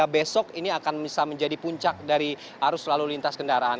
besok ini akan bisa menjadi puncak dari arus lalu lintas kendaraan